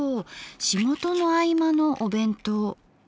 仕事の合間のお弁当。